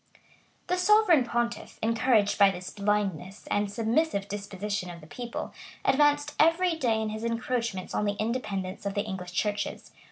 The sovereign pontiff, encouraged by this blindness and submissive disposition of the people, advanced every day in his encroachments on the independence of the English churches.